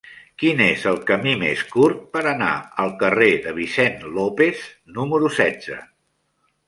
Quin és el camí més curt per anar al carrer de Vicent López número setze?